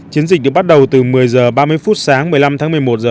chiến dịch được bắt đầu từ một mươi h ba mươi phút sáng một mươi năm tháng một mươi một h